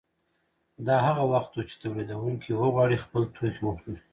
دا هغه وخت دی چې تولیدونکي وغواړي خپل توکي وپلوري